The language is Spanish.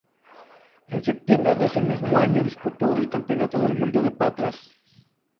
En septiembre de ese mismo año disputó el Campeonato del Mundo de Patras.